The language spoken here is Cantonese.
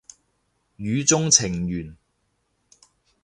語中程緣